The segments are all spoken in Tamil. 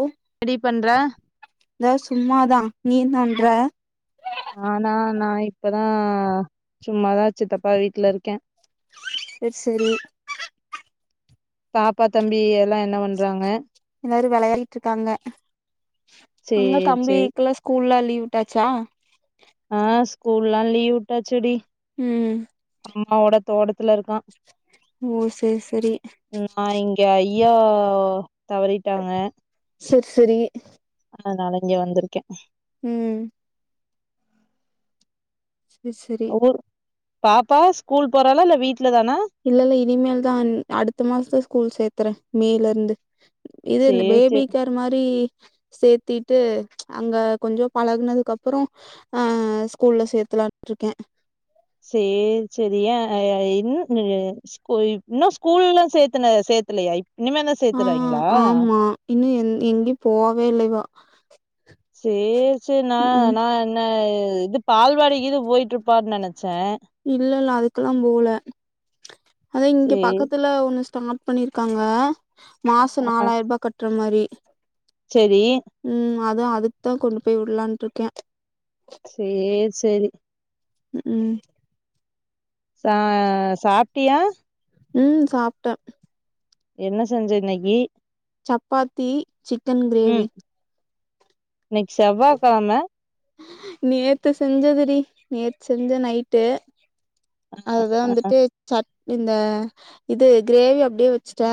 ஒ என்னடி பண்ற இதோ சும்மாதா நீ இன்னா பண்ற ஆ நா நா இப்பதா சும்மாதா சித்தப்பா வீட்ல இருக்கே செர் செரி பாப்பா தம்பி எல்லா என்ன பண்றாங்க எல்லாரு விளையாடிட்ருக்காங்க அங்க சேரி சேரி தம்பிக்குலா ஸ் கூல்லா லீவ் விட்டாச்சா ஆ ஸ்கூல்லா லீவு விட்டாச்சு டி ம் அம்மாவோட தோட்டத்துல இருக்கான் ஓ செர் செரி நா இங்க ஐயா தவறிட்டாங்க செர் செரி அதனால இங்க வந்துருக்கேன் ம் சரி சரி ஊர் பாப்பா ஸ்கூல் போறாளா இல்ல வீட்ல தானா இல்ல இல்ல இனிமேல் தா ன் அடுத்த மாசம் ஸ்கூல் சேத்தறேன் மேல இருந்து இது இந்த சேரி பேபி சேரி கேர் மாரி சேர்த்திட்டு அங்க கொஞ்சே பழகுனதுக்கு அப்புறம் ஆ ஸ்கூல்ல சேர்த்தலான்ட் இருக்கேன் சேர் சரி அ யா என்ன னிது கோயூப் ன்னோம் ஸ்கூல்லல்லா சேத்தன சேத்தலையா இப் இனிமே தா சேர்த்தறாங்களா இன்னூ எங் எங்கயும் போவே இல்ல இவ சேர் செரி நா ம் ம் நா நா இது பால்வாடிகீது போயிட்டு இருப்பார் நெனைச்சே இல்ல இல்ல அதுக்கல்லா போவ்ல அதான் இங்க சேரி பக்கத்துல ஒண்ணு ஸ்டார்ட் பண்ணிருக்காங்க மாச ஆ நாலாயிர ரூபா கட்டுற மாரி செரி ம் அதா அதுக்குத்தான் கொண்டு போய் உட்லான்ட் இருக்கே சேர் செரி ம் ம் சா அ சாப்டியா ம் சாப்டே என்ன செஞ்ச இன்னக்கி சப்பாத்தி சிக்கன் கிரேவி இன்னிக் செவ்வா கிழம நேத்து செஞ்சதுடி நேத் செஞ்சே நைட்டு அதா ஆ வந்துட்டு சட் இந்த இது கிரேவி அப்டியே வச்சுட்டே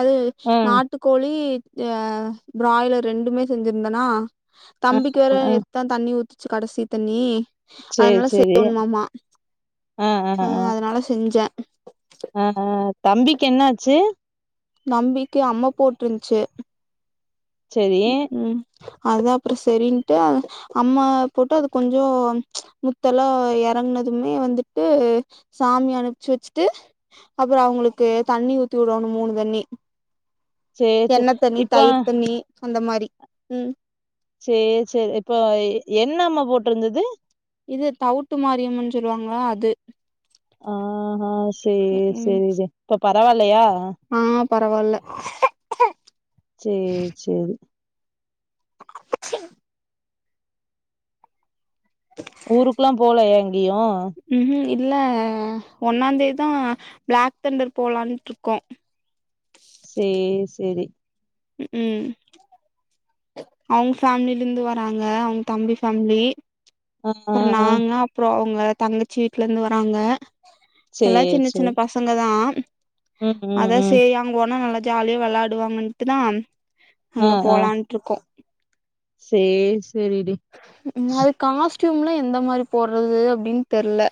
அது ம் நாட்டுக்கோழி அ பிராய்லர் ரெண்டுமே செஞ்சிருந்தேனா ஆ தம்பிக்கு வேற ஆ ஆ நேத் தா தண்ணி ஊத்துச்சு கடசி தண்ணி சேரி அதனால செய் சேரி யோன்மாம ஆ அதனால செஞ்சே அ ஆ தம்பிக்கு என்ன ஆச்சு நம்பிக்கு அம்ம போட்ருந்துச்சு செரி ம் அதா அப்புறம் சரின்ட்டு அம்ம போட்டு அது கொஞ்சோ முத்தலா எறங்கனதுமே வந்துட்டு சாமி அனுப்புச்சு வச்சுட்டு அப்புறம் அவங்களுக்கு தண்ணி ஊத்தி வுடேனும் மூணு தண்ணி சேரி சேரி தெண்ணெ தண்ணி இப்ப தயிர் தண்ணி அந்த மாரி ம் சேர் செரி இப்போ என்ன அம்ம போட்டிருந்தது இது தவுட்டு மாரியம்ன்னு சொல்லுவாங்களா அது அ ஆ சேர் ம் செரிதே இப்ப பரவாயில்லையா ஆ பரவால்ல சேர் சேரி [unintelligible] [inaudible] [inaudible] ஊருக்கேல்லாம் போலய்யா எங்கயும் ‌ ம்ம்ம் இல்ல ஒன்னாந்தேதிதான் பிளாக் தண்டர் போலான்ட்டு இருக்கோம் சேரி சேரி க்கும் அவங்க ஃபேமிலிலருந்து வராங்க அவங்க தம்பி ஃபேமிலி ஆ ஆ அப்பறம் ஆ நாங்க அப்றம் அவங்க தங்கச்சி வீட்டல இருந்து வராங்க எல்லா சேரி சின்ன சின்ன சேரி பசங்க பசங்க தான் ம் ம் அதான் ம் சேரி அங்க போனா நல்லா ஜாலியா விளையாடுவாங்கன்ட்டுதா அங்க போலான்ட்டு இருக்கோம் சேர் சேரிடி அது காஸ்ட்யூம்லாம் எந்த மாதிரி போடுறது அப்டின்னு தெர்ல.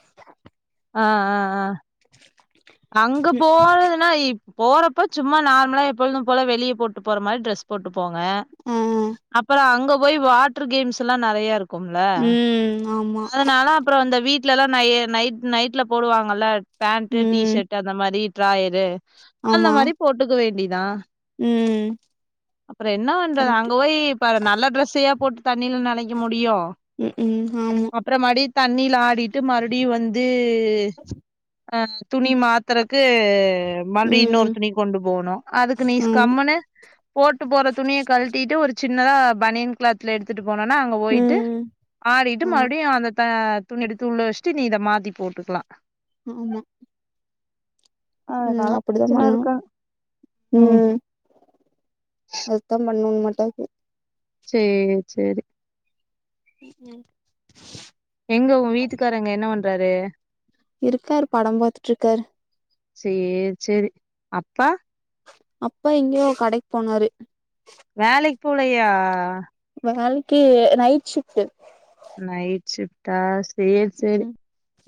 ஆ ஆ ஆஅங்க போறதுன்னா போறப்ப சும்மா நார்மலா எப்பொழுதும் போல வெளிய போட்டு போற மாறி ட்ரெஸ் போட்டு போங்க ஆ அப்பறம் அங்க போய் வாட்டர் கேம்ஸ்ல்லாம் நிறைய இருக்கும் ம் ஆமா இருக்கும்ல அதனால அப்பறம் அந்த வீட்ல எல்லாம் நை நைட் இரு நைட்ல போடுவாங்கல்ல பேண்ட்டு ம் டிசர்ட் அந்த மாறி டிராயரு அந்த ஆமா மாறி போட்டுக்க வேண்டிதான் ம் அப்பறம் என்ன பண்றது கரெக்ட் அங்க போய் அப்ப நல்ல ட்ரெஸ்ஸையா போட்டு தண்ணில நனைக்க முடியும் ம் ம் ஆமா அப்புறம் மறுபடி தண்ணில ஆடிட்டு மறுபடி வந்து ஆ துணி மாத்தறக்கு மறுபடி ம் இன்னொரு துணி கொண்டு போணும் அதுக்கு நீ ஆமா கம்முன்னு போட்டு போற துணிய கழட்டிட்டு ஒரு சின்னதா பனியன் கா க்ளாத்துல எடுத்துட்டு போனோன அங்க போயிட்டு ம் ஆடிட்டு ஆமா மறுபடியும் அந்த துணிய எடுத்து உள்ள வெச்சட்டு நீ இத மாத்தி போட்டுக்கலாம் ம்ம்ம்ம் அதனால ம் அப்படிதா பிரச்சன பண்ணனு இருக்கா ம் அதுதா பண்ணனுமாட்ட இருக்கு சேரி சேரி ம் எங்க உங்க வீட்டுக்கார் அங்க என்ன பண்றாரு இருக்காரு படம் பாத்துட்டுருக்காரு சேரி சேரி‌ அப்பா அப்பா எங்கியோ கடைக்கு போனாரு வேலைக்கு போலயா வேலைக்கு நைட் ஷிஃப்ட் நைட் ஷிஃப்ட்டா சேரி சேரி ம்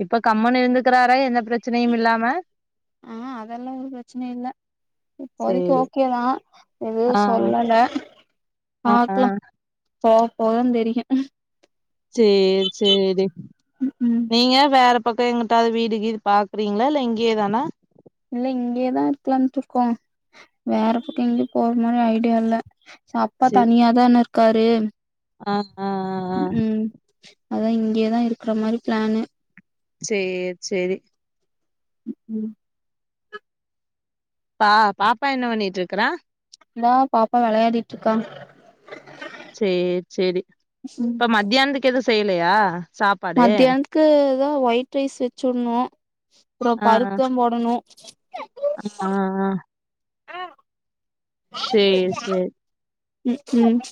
இப்ப கம்முனு இருந்துக்கறாரா எந்த பிரச்சனையும் இல்லாம ஆ அதெல்லாம் ஒரு பிரச்சனையும் இல்ல இப்போதைக்கு சேரி ஓகேதான் எதும் சொல்லல ஆஆ போபோதா தெரியும் சேரி சேரிடி ம் நீங்க வேற பக்கம் எங்குட்டாவது வீடு கிடு பாக்குறீங்கள இல்ல இங்கியேதானா இல்ல இங்கயேதான் இருக்கலானுட்டுருக்கோம் வேற பக்கம் எங்கயும் போற மாறி ஐடியா இல்ல அப்பா சேரி தனியாதான இருக்காரு ஆ ஆ ஆ ஆ. ம் அதான் இங்கேயேதான் இருக்கற மாதிரி பிளான்னு சேர் சேரி ம் பா பாப்பா என்ன பண்ணிட்டு இருக்குற இந்தா பாப்பா வெளையாடிட்டு இருக்கா சேர் சேரி ம் இப்ப மத்தியானத்துக்கு எது செய்யலையா சாப் மத்தியானத்துக்கு எதோ ஒயிட் ரைஸ் வச்சுடணு அப்புறோ ஆ பருப்பு தா போடணு ஆ ஆ சேர்ச்சேர் ம்ஹூம்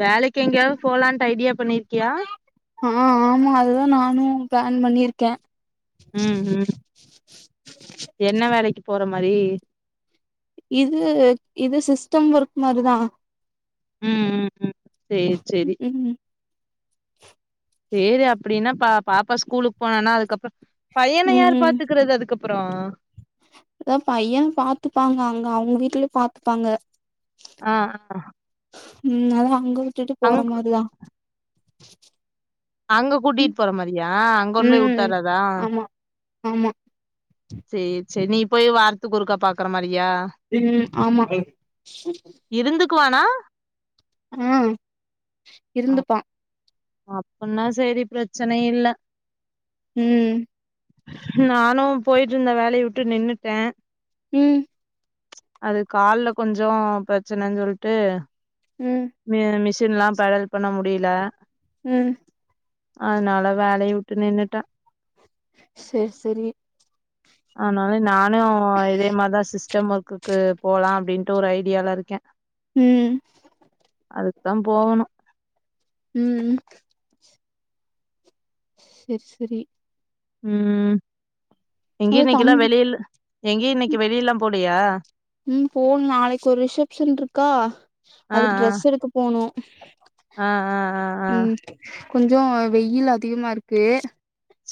வேலைக்கு எங்கேயாவது போலான்ட்டு ஐடியா பண்ணிருக்கியா ஆ ஆமா அதுதா நானு பிளான் பண்ணிருக்கே ம் ம் என்ன வேலைக்கு போற மாரி இது இது சிஸ்டம் ஒர்க் மாரிதா ம் ம் ம் சேர் சேரி ம் சேரி அப்டின்னா பா பாப்பா ஸ்கூலுக்கு போனான்னா அதுக்கப்புற பையன யார் ம் பாத் துக்கறது அதுக்கப்புறோ அதா பைய பாத்துப்பாங்க அங்க அவ்ங்க வீட்டுல பாத்துப்பாங்க ஆ அ உ அதான் அங்க வுட்டுட்டு போற அங் மாரிதா அங்க கூட்டிட்டு போற மாறியா அங் கொண்டு போய் ம் வுட்டரதா ஆமா ஆமா சேர் சேரி நீ போய் வாரத்துக்கு ஒருக்கா பாக்கற மாரியா ம் ஆமா இருந்துக்குவானா அ அப் இருந்துப்பா அப்பன்னா சேரி பிரச்சனை இல்ல ம் நானு போய்ட்டு இருந்த வேலையை விட்டு நின்னுட்டே ம் அது கால்ல கொஞ்சோ பிரச்சனன்னு சொல்லிட்டு ம் மி மிஷின் லா பெடல் பண்ண முடியல ம் அதனால வேலைய வுட்டு நின்னுட்டே சேர் சேரி அதனால நானு இதேமாரிதா சிஸ்டம் ஒர்க்குக்கு போலா அப்டின்ட்டு ஒரு ஐடியால இருக்கே ம் அதுக்குதா போவணு ம் ம் சேர் சேரி ம் அவ எங்கயு இன்னக்கி தம் எல்லா வெளியில எங்கயு இன்னைக்கி வெளியெல்லா போலயா ம் போணு நாளைக்கி ஒரு ரிசப்ஷன் இருக்கா ஆ அதுக்கு ஆ ட்ரெஸ் எடுக்க போணு ஆ ஆ ஆ ஆ கொஞ்சோ வெயில் அதிகமா இருக்கு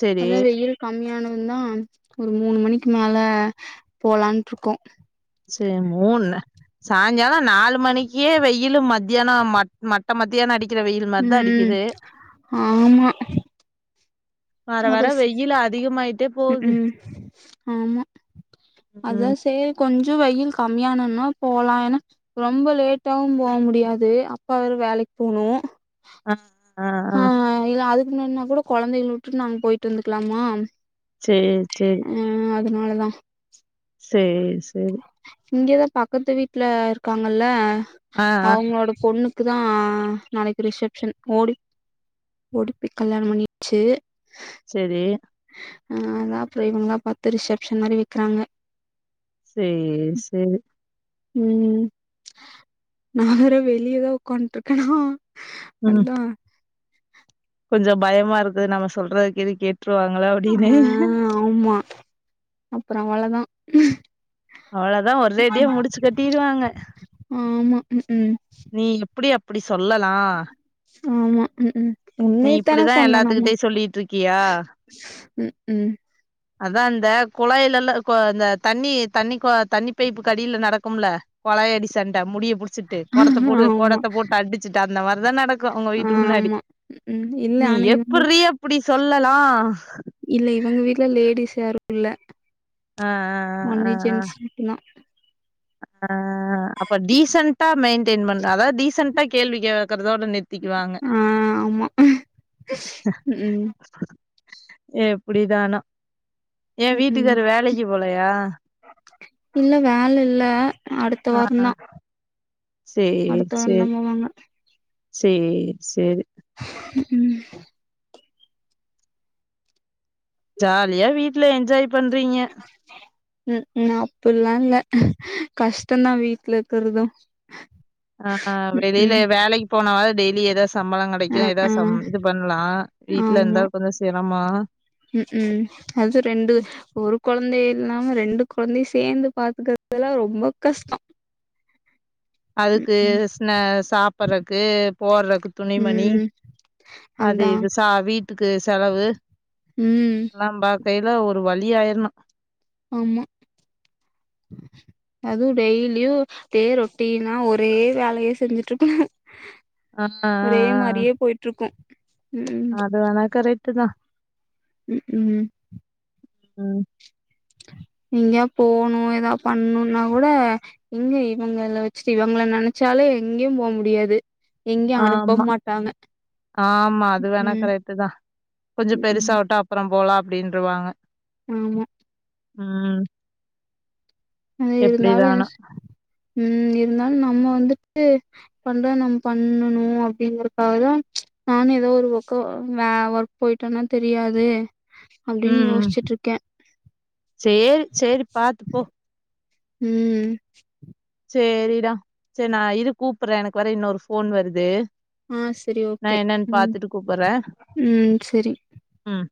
செரி அதா வெயில் கம்மியானது தா ஒரு மூணு மணிக்கு மேல போலான்ட்டு இருக்கோ சரி மூன்ணே சாய்ங்கால நாலு மணிக்கே வெயிலு மத்தியானோ மட் மட்ட மத்தியான அடிக்கிற வெயில் மாரிதா ம் அடிக்குது வர அப்பற வர சிஸ் வெயில் அதிகமாயிட்டே ம் போகுது ம் ஆமா அதா ம் சேரி கொஞ்ச வெயில் கம்மியானோன போலா ஏனா ரொம்ப லேட்டாவு போ முடியாது அப்பா வேற வேலைக்குப் போணு ஆ ஆ ஆ ஹா ஹா இல்ல அதுக்கு முன்னாடினா கூட கொழந்தைகள விட்டுட்டு நாம போயிட்டு வந்துக்லாமா சேர் சேரி ம் அதனால தா சேர் சேரி இங்கதா பக்கத்து வீட்ல இருக்காங்கல்ல ஆ ஆ அவ்ங்களோடப் பொண்ணுக்கு தா நாளைக்கு ரிசப்ஷன் ஓடி ஓடிப்போய் கல்யாண பண்ணிருச்சு சேரி ஆ அதா அப்ற இவ்ங்களா பாத்து ரிசப்ஷன் மாரி வெக்கிறாங்க சேரி சேரி ம் ம் நா வேற வெளியதா ஒக்காந்ட்ருக்கனா அந்தா கொஞ்ச பயமா இருக்குது நம்ம சொல்றதுக்கிது கேட்டுருவாங்களோ அப்டின்னு ஆ ஆமா அப்ற அவளதா அவளதா ஒரேடியா முடிச்சு கட்டிருவாங்க ஆமா ம் ம் நீ எப்பிடி அப்டி சொல்லலா ஆமா ம் ம் நீ உண்மையத்தான இப்டிதா சொன்னோ நம்ம எல்லாத்துக்கிட்டயு சொல்லிட்ருக்கியா ம் ம் அதா இந்த கொழாய்லெல்லா கொ இந்த தண்ணி தண்ணி கொ தண்ணி பைப்புக்கடில நடக்கும்ல கொழாயடி சண்ட முடிய புடிச் சுட்டு கொடத்த போட்டு ஆமா கொடத்த போட்டு அடிச்சிட்டு அந்த மாரிதா நடக்கு ஒங்க வீட்டு முன்னாடி ஆமா ம் இல்ல நீ ஆனா இவங்க எப்புட்றி அப்புடி சொல்லலா இல்ல இவங்க வீட்ல லேடீஸ் யாரு இல்ல ஆ ஆ ஆ ஆ ஒன்லி ஜென்ஸ் மட்டுந்தா ஆ ஆ அப்ப டீசென்ட்டா மெயின்டைன் பண்ணு அதாவ்து டீசென்ட்டா கேள்வி கேக்கறதோட நிருத் த்திக்குவாங்க ஆ ஆமா ம் ம் எப்டிதானோ ஏ ம் ம் வீட்டுக்காரு வேலைக்கு போலையா இல்ல வேல இல்ல அ அடுத்த வாரந்தா சேர் அடுத்த சேரி வாரந்தா போவாங்க சேர் சேரி ம் ம் ஜாலியா வீட்ல என்ஜாய் பண்றீங்க ம் ம் அப்புட்லா இல்ல கஷ்டந்தா வீட்ல இக்கிறது ஆ ஆ வெளில வேலைக்கு போனாவாது டெய்லி எதோ சம்பளம் கெட் அ டைக்கு எதா ஆ சம் இது பண்லா வீட்ல ஆமா இருந்தாலு கொஞ்ச சிரம ம் ம் அது ரெண்டு ஒரு கொழந்தயே இல்லாம ரெண்டு கொழந்தையு சேந்து பாத்துக்கிறததெல்லா ரொம்ப கஷ்டோ ம் அதுக்கு ம் ஸ்னா சாப்பிட்றக்கு போட்றக்கு துணிமணி ம் அது அதா இது சா வீட்டுக்கு செலவு ம் எல்லா பாக்கையில ஒரு வழி ஆயிர்ணு ஆமா அதுவு டெய்லியு அதே ரொட்டீனா ஒரே வேலையே செஞ்சுட்டுருக்க ஆ, ஆ, ஒரே ஆ. மாரியே போயிட்டுருக்கு அது வேணா கரெக்ட்டு தா ம் ம் ம் எங்கயா போணு எதா பண்ணுன்னாக்கூட எங்க இவங்கள வச்சுட்டு இவங்கள நெனச்சாலே எங்கயு போ முடியாது எங்கேயு அனுப்ப ஆமா மாட்டாங்க ஆமா அது வேணா ம் கரெக்ட்டு தா கொஞ்சோ ம் பெருசாவட்டு அப்றோ போலா அப்டின்றுவாங்க ஆமா ம் அது இருந்தாலு எப்படிதானோ. என்ச் ம் இருந்தாலு நம்ம வந்துட்டு பண்றது நம்ம பண்ணனு அப்டின்றக்காக தா நானு ஏதோ ஒரு ஒக்கோ வே ஒர்க் போயிட்டோன்னா தெரியாது அப்டின்னு ம்ம் யோசிச்சுட்டு இருக்கே சேரி சேரி பாத்து போ ம் ம் சேரிடா சேரி நா இரு கூப்புறே எனக்கு வேற இன்னொரு போன் வருது ஆ சரி நா ஓகே என்னன்னு ம் பாத்துட்டு கூப்புறே ம் சரி ம்